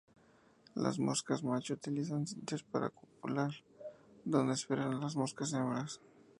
Las moscas macho utilizan sitios para copular, donde esperan a las moscas hembras.